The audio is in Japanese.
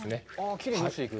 きれいに落ちていく。